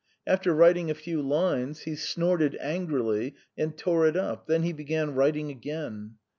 After writing a few lines he snorted angrily and tore it up, then he began writing again.